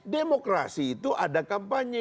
demokrasi itu ada kampanye